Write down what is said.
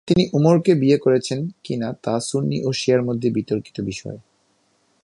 তিনি উমরকে বিয়ে করেছেন কিনা তা সুন্নী ও শিয়ার মধ্যে বিতর্কিত বিষয়।